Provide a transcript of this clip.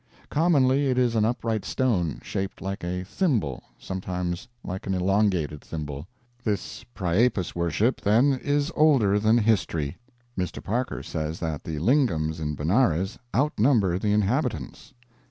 Commonly it is an upright stone, shaped like a thimble sometimes like an elongated thimble. This priapus worship, then, is older than history. Mr. Parker says that the lingams in Benares "outnumber the inhabitants."